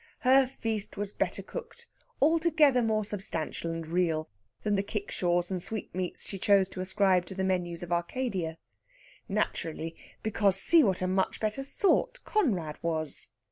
Her feast was better cooked, altogether more substantial and real than the kickshaws and sweetmeats she chose to ascribe to the menus of Arcadia. Naturally; because see what a much better sort Conrad was!